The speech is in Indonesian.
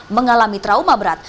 mengalami trauma berat